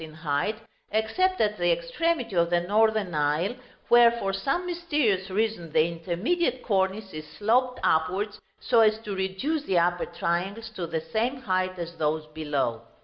in height, except at the extremity of the northern aisle, where for some mysterious reason the intermediate cornice is sloped upwards so as to reduce the upper triangles to the same height as those below.